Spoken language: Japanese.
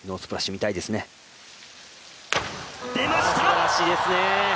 すばらしいですね。